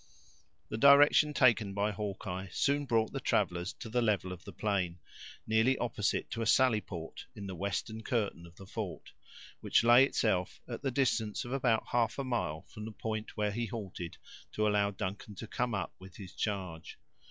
The direction taken by Hawkeye soon brought the travelers to the level of the plain, nearly opposite to a sally port in the western curtain of the fort, which lay itself at the distance of about half a mile from the point where he halted to allow Duncan to come up with his charge.